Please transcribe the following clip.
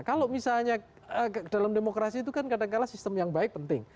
kalau misalnya dalam demokrasi itu kan kadangkala sistem yang baik penting